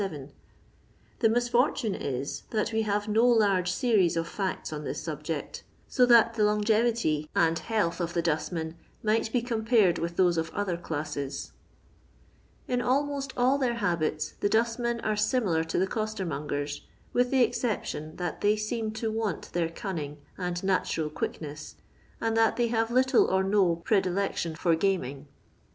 The misfortune is, that we have no large series of fiicts on this subject, so that the longevity and 176 LONDON LABOUR AND TEE LONDON J'OOJL health of the duftmen might be compared with thoie of other clewei. la almoit all their hafaiti the Bnitmea are timilar to the OoatenBongeriy with the exception that thej leem to want their dmniiig and natural qnielEBeH^ and that thej have little or no pre dilection for gaming.